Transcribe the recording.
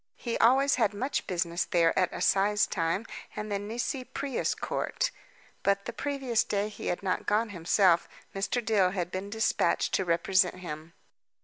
He always had much business there at assize time and the Nisi Prius Court; but the previous day he had not gone himself, Mr. Dill had been dispatched to represent him.